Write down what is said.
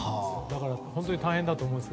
本当に大変だと思うんです。